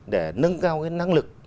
để nâng cao cái năng lực